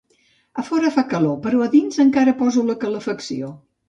A fora ja fa calor però a dins encara poso la calefacció